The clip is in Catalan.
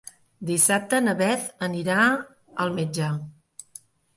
Dissabte na Beth anirà al metge.